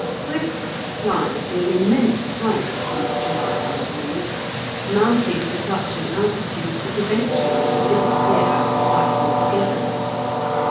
Swifts fly to an immense height these July evenings, mounting to such an altitude as eventually to disappear out of sight altogether.